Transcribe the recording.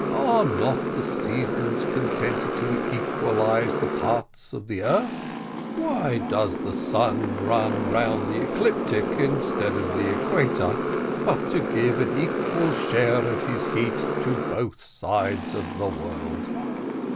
are not the seasons contented to equalise the parts of the earth? Why does the sun run round the ecliptic, instead of the equator, but to give an equal share of his heat to both sides of the world?